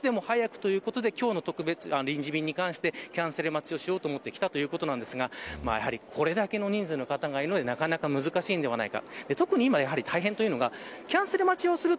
さすがにそこまではということで少しでも早くということで今日の特別臨時便に関してキャンセル待ちをしようと思って来たということですがこれだけの人数がいるのでなかなか難しいのではないか。